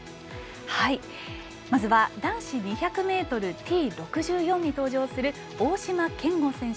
まずは男子２００ｍＴ６４に登場する大島健吾選手